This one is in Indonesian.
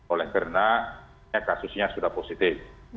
oleh karena kasusnya sudah positif